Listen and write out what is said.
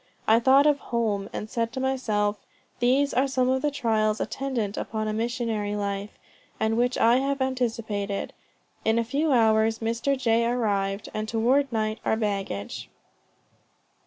I thought of home and said to myself, These are some of the trials attendant upon a missionary life, and which I have anticipated. In a few hours Mr. J. arrived, and toward night our baggage."